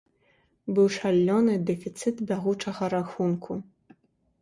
Быў шалёны дэфіцыт бягучага рахунку.